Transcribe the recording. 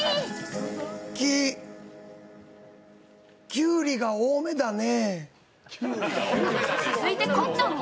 きゅうりが多めだね。